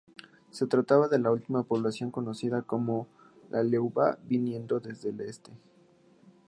Se trataba de la última población conocida sobre el Lualaba viniendo desde el este.